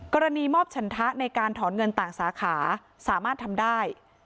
กรณีมอบฉันทะในการถอนเงินต่างสาขาสามารถทำได้